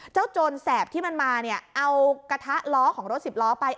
โจรแสบที่มันมาเนี่ยเอากระทะล้อของรถสิบล้อไป